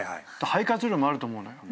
肺活量もあると思うのよ。